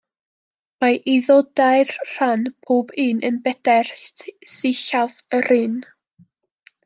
Mae iddo dair rhan, pob un yn bedair sillaf yr un.